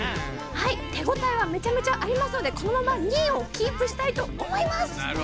はいてごたえはめちゃめちゃありますのでこのまま２いをキープしたいとおもいます！